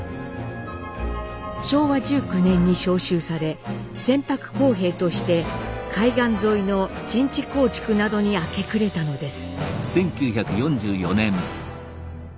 昭和１９年に召集され船舶工兵として海岸沿いの陣地構築などに明け暮れたのです。